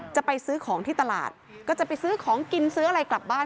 จะไปซื้อของที่ตลาดก็จะไปซื้อของกินซื้ออะไรกลับบ้าน